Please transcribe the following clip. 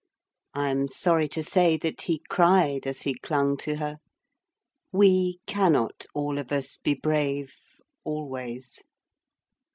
I am sorry to say that he cried as he clung to her. We cannot all of us be brave, always.